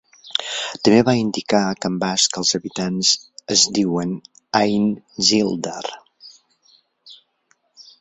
També va indicar que en basc els habitants es diuen "Aintzildar".